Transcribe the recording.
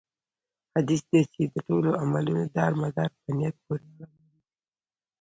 حديث دی چې: د ټولو عملونو دار مدار په نيت پوري اړه لري